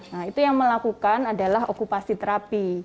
nah itu yang melakukan adalah okupasi terapi